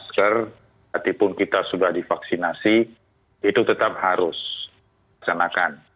masker apapun kita sudah divaksinasi itu tetap harus disenakan